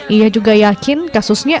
ia juga yakin kasusnya